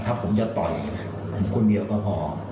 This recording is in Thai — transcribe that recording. ถ้าผมจะต่อยผมคนเดียวก็พอ